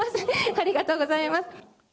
ありがとうございます。